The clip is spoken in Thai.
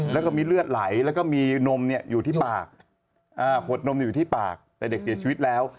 แล้วก็มีเลือดไหลแล้วก็มีนมอยู่ที่ปากหดนมอยู่ที่ปากแต่เด็กเสียชีวิตแล้ว